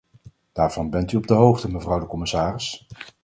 Daarvan bent u op de hoogte, mevrouw de commissaris.